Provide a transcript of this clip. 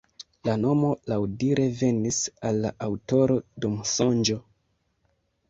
La nomo laŭdire venis al la aŭtoro dum sonĝo.